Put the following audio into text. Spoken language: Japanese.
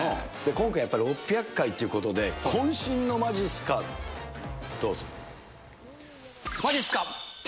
今回やっぱり６００回ということで、こん身のまじっすか、まじっすか。